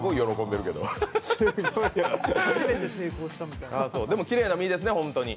でも、きれいな身ですね、ホントに。